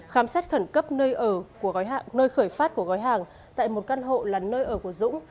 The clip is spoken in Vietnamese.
khám sát khẩn cấp nơi khởi phát của gói hàng tại một căn hộ là nơi ở của dũng